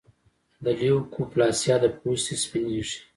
د لیوکوپلاسیا د پوستې سپینېږي.